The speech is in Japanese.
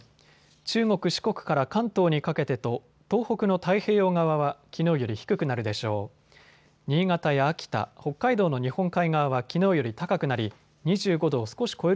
中国・四国から関東にかけてと東北の太平洋側はきのうより低くなるでしょう。